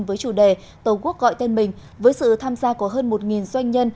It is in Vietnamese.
với chủ đề tổ quốc gọi tên mình với sự tham gia của hơn một doanh nhân